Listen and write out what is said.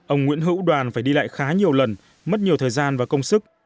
ông nguyễn hữu đoàn phải đi lại khá nhiều lần mất nhiều thời gian và công sức